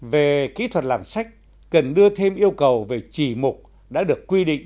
về kỹ thuật làm sách cần đưa thêm yêu cầu về chỉ mục đã được quy định